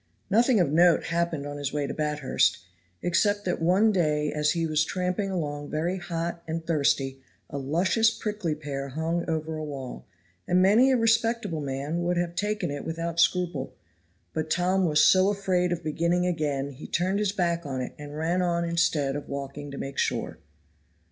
Nothing of note happened on his way to Bathurst, except that one day as he was tramping along very hot and thirsty a luscious prickly pear hung over a wall, and many a respectable man would have taken it without scruple; but Tom was so afraid of beginning again he turned his back on it and ran on instead of walking to make sure.